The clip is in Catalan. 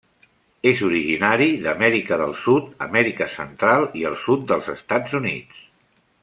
És originari d'Amèrica del Sud, Amèrica Central i el sud dels Estats Units.